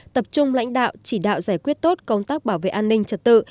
tập trung lãnh đạo chỉ đạo giải quyết tốt công tác bảo vệ an ninh trật tự